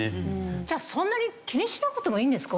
じゃあそんなに気にしなくてもいいんですか？